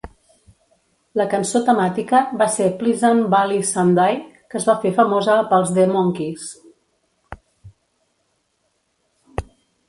La cançó temàtica va ser Pleasant Valley Sunday, que es va fer famosa pels The Monkees.